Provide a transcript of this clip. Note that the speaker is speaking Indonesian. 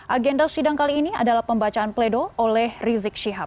agenda sidang kali ini adalah pembacaan pledo oleh rizik syihab